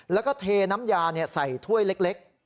แล้วก็เทน้ำยาใส่ถ้วยเล็ก